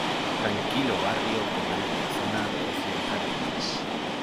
Tranquilo barrio con amplia zona de ocio y jardines.